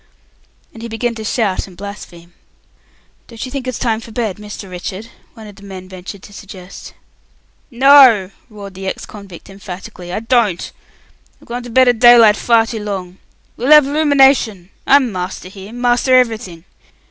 And he began to shout and blaspheme. "Don't you think it's time for bed, Mr. Richard?" one of the men ventured to suggest. "No!" roared the ex convict, emphatically, "I don't! I've gone to bed at daylight far too long. We'll have 'luminashon! I'm master here. Master everything.